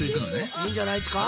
いいんじゃないっちか？